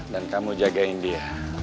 dan kamu jagain dia